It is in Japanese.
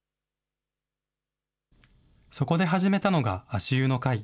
そこで始めたのが足湯の会。